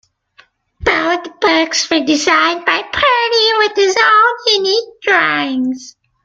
Both books were designed by Purdy with his own unique drawings.